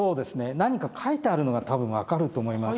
何か書いてあるのが多分分かると思います。